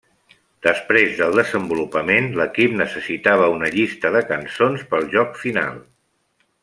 Després del desenvolupament, l'equip necessitava una llista de cançons pel joc final.